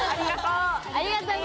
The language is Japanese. ありがとう！